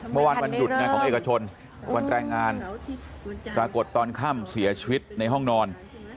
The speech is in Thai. วันหยุดไงของเอกชนวันแรงงานปรากฏตอนค่ำเสียชีวิตในห้องนอน